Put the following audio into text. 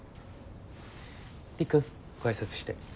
りっくんご挨拶して。